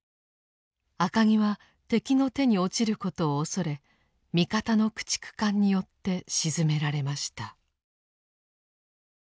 赤城は敵の手に落ちることを恐れ味方の駆逐艦によって沈められました。